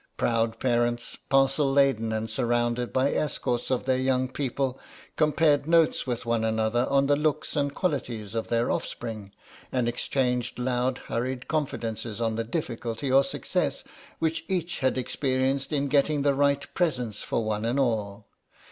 Proud parents, parcel laden and surrounded by escorts of their young people, compared notes with one another on the looks and qualities of their offspring and exchanged loud hurried confidences on the difficulty or success which each had experienced in getting the right presents for one and all.